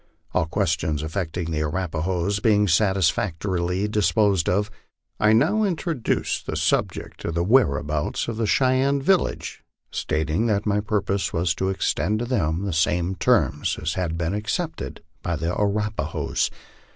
All questions affecting the Arapahoes being satisfactorily disposed of, I now introduced the subject of the where abouts of the Cheyenne village, stating that my purpose was to extend to them the same terms as had been accepted by the Arapahoes.